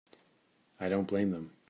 I don't blame them.